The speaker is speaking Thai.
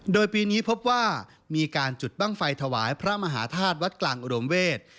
โดยปีนี้พบว่ามีการจุดบ้างไฟถวายพระมหาธาตุวัดกลางอุดมเวศ